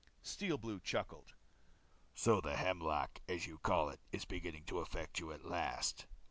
Steel Blue chuckled. "So the hemlock, as you call it, is beginning to affect you at last?